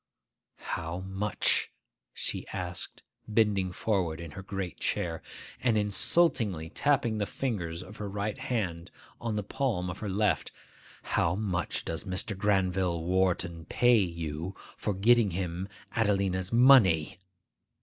'How much,' she asked, bending forward in her great chair, and insultingly tapping the fingers of her right hand on the palm of her left,—'how much does Mr. Granville Wharton pay you for getting him Adelina's money?